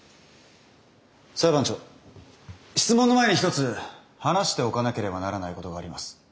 裁判長質問の前に一つ話しておかなければならないことがあります。